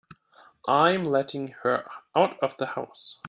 I'm letting her out of the house.